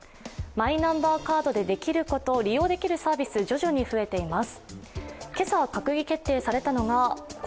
マイナンバーカードでできること、利用できるサービス、徐々に増えています。